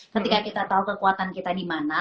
ketika kita tau kekuatan kita dimana